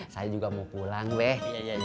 saya juga mau pulang deh